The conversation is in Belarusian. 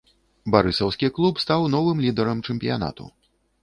Барысаўскі клуб стаў новым лідарам чэмпіянату.